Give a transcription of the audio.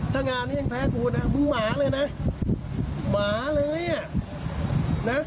ถ้างานนี้ยังแพ้กูนะมึงหมาเลยนะหมาเลยอ่ะนะ